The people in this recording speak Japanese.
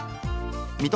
水戸